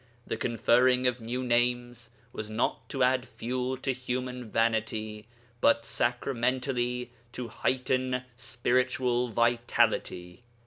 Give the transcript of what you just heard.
The conferring of new names was not to add fuel to human vanity, but sacramentally to heighten spiritual vitality.